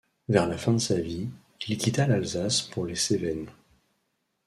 Vers la fin de sa vie, il quitta l'Alsace pour les Cévennes.